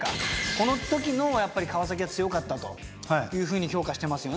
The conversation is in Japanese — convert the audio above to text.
この時のやっぱり川崎は強かったというふうに評価してますよね。